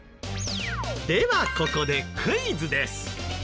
ではここでクイズです。